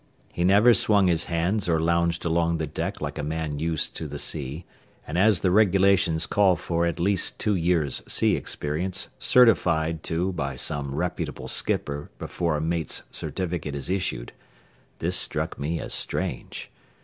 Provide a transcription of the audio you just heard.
He never swung his hands or lounged along the deck like a man used to the sea, and as the regulations call for at least two years' sea experience certified to by some reputable skipper before a mate's certificate is issued, this struck me as strange.